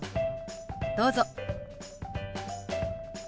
どうぞ。